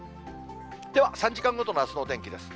では、３時間ごとのあすのお天気です。